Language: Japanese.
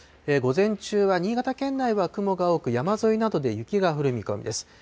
午前中は新潟県内は雲が多く山沿いなどで雪が降る見込みです。